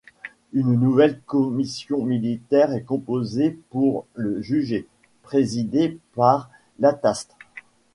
Une nouvelle commission militaire est composée pour le juger, présidée par Lataste.